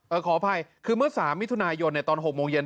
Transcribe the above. เอ่อขออภัยคือเมื่อ๓มิถุนายถ์ยนต์ตอน๖โมงเย็น